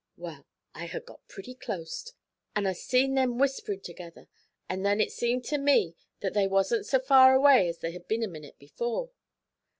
'Wal, I had got pretty closte, and I seen them whisperin' together, an' then it seemed to me that they wasn't so far away as they had been a minit before.